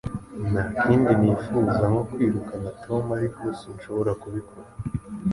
Nta kindi nifuza nko kwirukana Tom ariko sinshobora kubikora